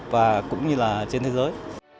và cũng như là trên thế giới